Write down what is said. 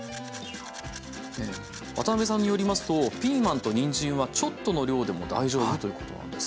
渡辺さんによりますとピーマンとにんじんはちょっとの量でも大丈夫ということなんです。